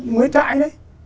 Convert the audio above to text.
nguyễn trãi đấy